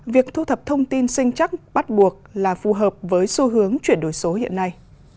việc thu thập thông tin sinh chắc bắt buộc là phù hợp với xu hướng chuyển đổi số hiện nay